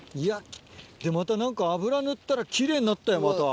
また油塗ったら奇麗になったよ。